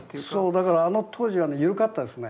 だからあの当時はねゆるかったですね。